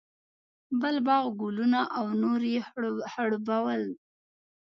بل باغ، ګلونه او نور یې خړوبول.